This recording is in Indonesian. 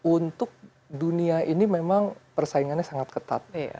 untuk dunia ini memang persaingannya sangat ketat